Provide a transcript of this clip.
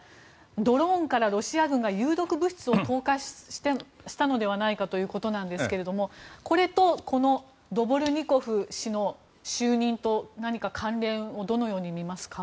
ドローンからロシア軍が有毒物質を投下したのではないかということなんですがこれとこのドボルニコフ氏の就任と何か関連をどのように見ますか？